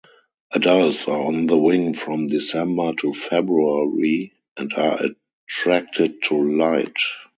Adults are on the wing from December to February and are attracted to light.